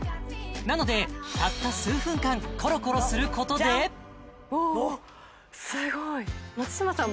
なのでたった数分間コロコロすることでおおすごいおっ松嶋さん